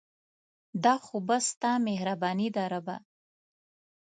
دا خو بس ستا مهرباني ده ربه